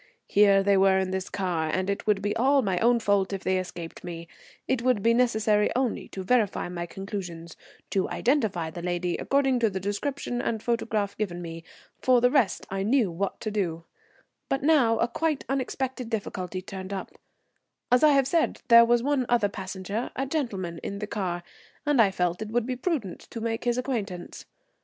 Here they were in this car, and it would be all my own fault if they escaped me. It would be necessary only to verify my conclusions, to identify the lady according to the description and photograph given me. For the rest I knew what to do. But now a quite unexpected difficulty turned up. As I have said, there was one other passenger, a gentleman, in the car, and I felt it would be prudent to make his acquaintance.